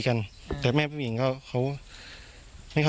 กลุ่มตัวเชียงใหม่